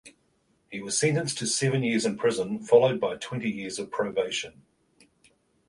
He was sentenced to seven years in prison followed by twenty years of probation.